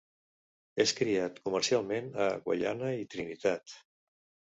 És criat comercialment a Guaiana i Trinitat.